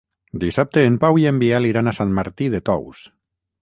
Dissabte en Pau i en Biel iran a Sant Martí de Tous.